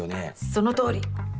そのとおり。